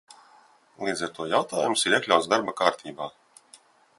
Līdz ar to jautājums ir iekļauts darba kārtībā.